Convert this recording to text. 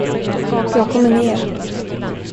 Jag kommer ned.